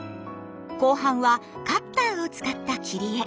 後半はカッターを使った切り絵。